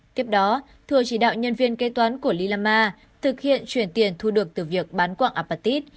tiếp đó thừa chỉ đạo nhân viên kế toán của lilama thực hiện chuyển tiền thu được từ việc bán quạng apatit